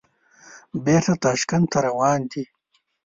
بېرته تاشکند ته روان دي.